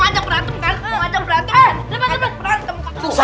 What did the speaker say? ngajak beratung kan